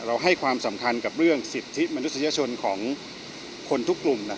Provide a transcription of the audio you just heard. ให้ความสำคัญกับเรื่องสิทธิมนุษยชนของคนทุกกลุ่ม